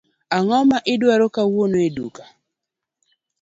Ango ma idwaro kawuono e duka?